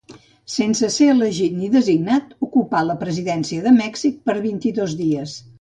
Sense ser elegit ni designat, ocupà la presidència de Mèxic per vint-i-dos dies.